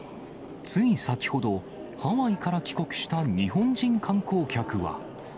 つい先ほど、ハワイから帰国した日本人観光客は。